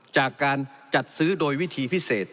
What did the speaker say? จากการจัดซื้อโดยวิธี